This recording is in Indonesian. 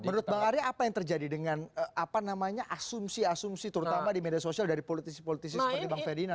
menurut bang arya apa yang terjadi dengan apa namanya asumsi asumsi terutama di media sosial dari politisi politisi seperti bang ferdinand